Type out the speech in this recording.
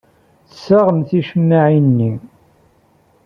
Tessaɣem ticemmaɛin-nni.